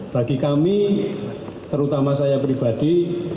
bagi kami terutama saya pribadi